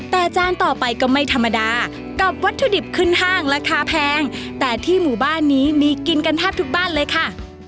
แต่จานต่อไปก็ไม่ธรรมดากับวัตถุดิบขึ้นห้างราคาแพงแต่ที่หมู่บ้านนี้มีกินกันแทบทุกบ้านเลยค่ะ